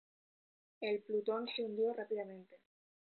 El "Plutón" se hundió rápidamente.